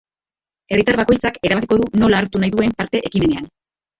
Herritar bakoitzak erabakiko du nola hartu nahi duen parte ekimenean.